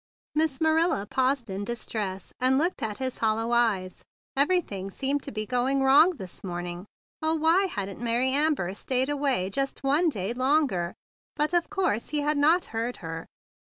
Miss Marilla paused in distress, and looked at his hollow eyes. Everything seemed to be going wrong this morning. Oh, why hadn't Mary Amber stayed away just one day longer? But of course he had not heard her.